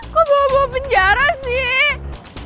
kok bawa bawa penjara sih